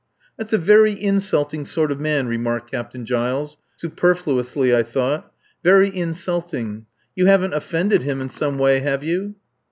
"That's a very insulting sort of man," remarked Captain Giles superfluously, I thought. "Very insulting. You haven't offended him in some way, have you?"